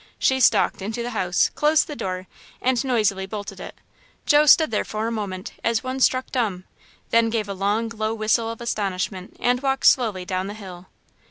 She stalked into the house, closed the door, and noisily bolted it. Joe stood there for a moment, as one struck dumb, then gave a long, low whistle of astonishment and walked slowly down the hill.